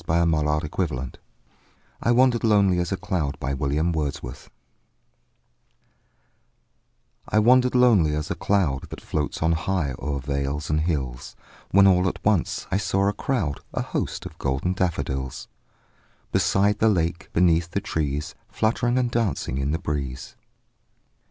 William Wordsworth I Wandered Lonely As a Cloud I WANDERED lonely as a cloud That floats on high o'er vales and hills, When all at once I saw a crowd, A host, of golden daffodils; Beside the lake, beneath the trees, Fluttering and dancing in the breeze.